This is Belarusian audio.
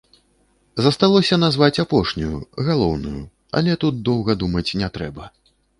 Засталося назваць апошнюю, галоўную, але тут доўга думаць не трэба.